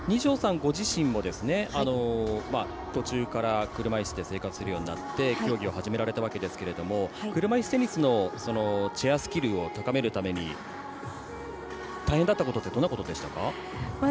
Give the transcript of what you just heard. ご自身も途中から車いすで生活するようになって競技を始められたわけですけど車いすテニスのチェアスキルを高めるために大変だったことってどんなことでしたか？